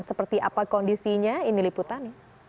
seperti apa kondisinya ini liputannya